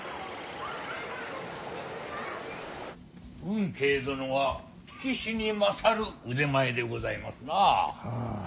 運慶殿は聞きしに勝る腕前でございますな。